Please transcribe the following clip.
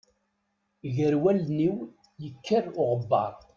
Gar wallen-iw yekker uɣebbaṛ.